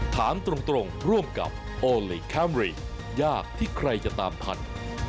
ถามตรงร่วมกับโอลี่คัมรี่ยากที่ใครจะตามทัน